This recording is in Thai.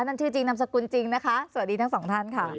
นั่นชื่อจริงนามสกุลจริงนะคะสวัสดีทั้งสองท่านค่ะ